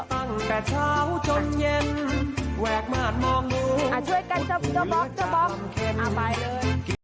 ตั้งแต่เช้าจนเย็นแวกมาดมองลุงช่วยกันเจ้าบ๊อกเจ้าบ๊อกไปเลย